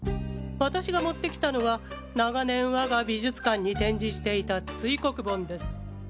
私が持って来たのは長年我が美術館に展示していた堆黒盆です。